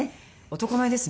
男前ですね！